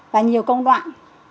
và nhiều công đoạn